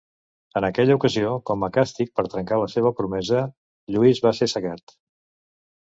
En aquella ocasió, com a càstig per trencar la seva promesa, Lluís va ser cegat.